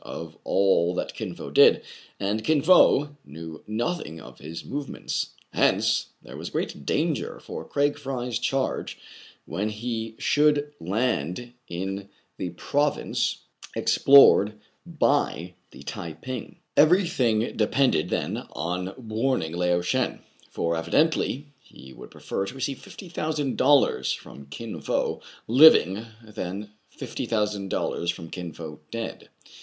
193 of all that Kin Fo did, and Kin Fo knew nothing of his movements : hence there was great danger for Craig Fry's charge when he should land in the province explored by the Tai ping. Every thing depended, then, on warning Lao Shen ; for evi dently he would prefer to receive fifty thousand dollars from Kin Fo living than fifty thousand dol lars from Kin Fo dead.